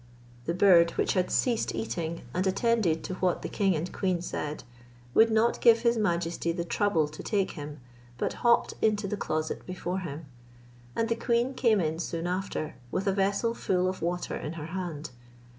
The bird, which had ceased eating, and attended to what the king and queen said, would not give his majesty the trouble to take him, but hopped into the closet before him; and the queen came in soon after, with a vessel full of water in her hand.